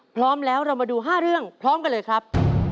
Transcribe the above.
พร้อมแล้วเรามาดู๕เรื่องพร้อมกันเลยครับ